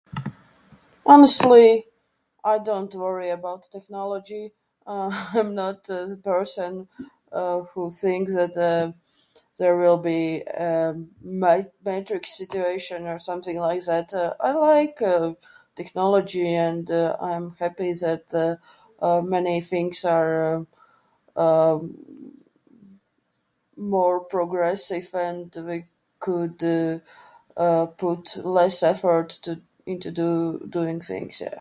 Honestly, I don't worry about technology. I'm not a person, uh, who thinks that, uh, there will be, um, might be a situation or something like that. I like, uh, technology and, uh, I'm happy that, uh, many things are um, um, more progress if and we could, uh, put, less effort to- into doing things. Yeah.